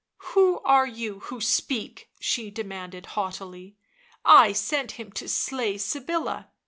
" Who are you who speak ?" she demanded haughtily. " 1 sent him to slay Sybilla.